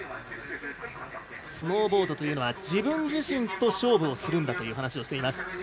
スノーボードというのは自分自身と勝負をするんだという話をしています。